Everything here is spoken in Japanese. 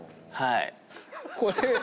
はい。